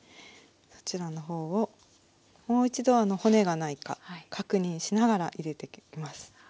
そちらの方をもう一度骨がないか確認しながら入れていきます。